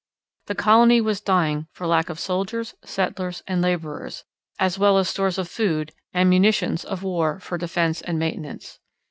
The colony was dying for lack of soldiers, settlers, and labourers, as well as stores of food and munitions of war for defence and maintenance.